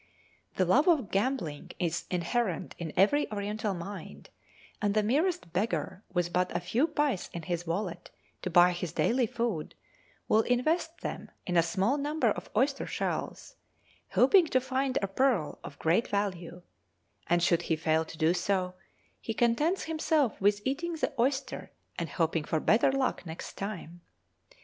The love of gambling is inherent in every Oriental mind, and the merest beggar with but a few pice in his wallet to buy his daily food will invest them in a small number of oyster shells, hoping to find a pearl of great value; and, should he fail to do so, he contents himself with eating the oyster and hoping for better luck next time.